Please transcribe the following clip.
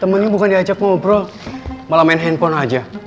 temennya bukan diajak ngobrol malah main handphone aja